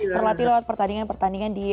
berlatih lewat pertandingan pertandingan di